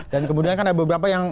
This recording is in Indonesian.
dan kemudian kan ada beberapa yang